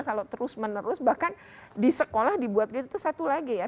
kalau terus menerus bahkan di sekolah dibuat gitu itu satu lagi ya